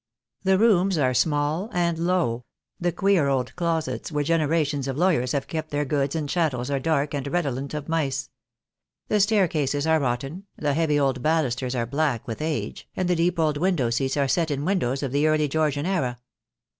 The rooms are small and low, the queer old closets where generations of lawyers have kept their goods and chattels are dark and redolent of mice. The staircases are rotten, the heavy old ballusters are black with age, and the deep old window seats are set in windows of the early Georgian era.